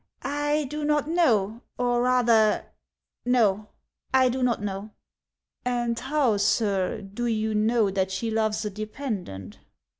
" I do not know ; or rather — no, I do not know." "And how, sir, do you know that she loves a dependent